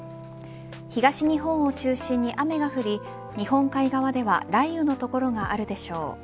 東日本を中心に雨が降り日本海側では雷雨の所があるでしょう。